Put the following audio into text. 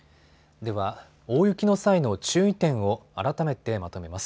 では大雪の際の注意点を改めてまとめます。